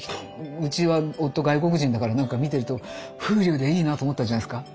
うちは夫外国人だからなんか見てると風流でいいなと思ったんじゃないですか。